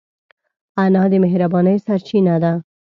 انا د مهربانۍ سرچینه ده